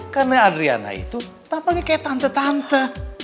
karena adriana itu tampaknya kayak tante tante